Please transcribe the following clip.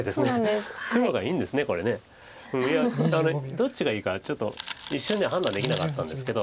どっちがいいかちょっと一瞬では判断できなかったんですけど。